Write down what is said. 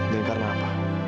dan karena apa